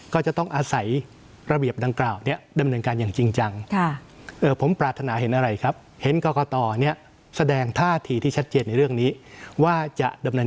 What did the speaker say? ก็จะต้องอาศัยระเบียบดังกล่าวเนี่ย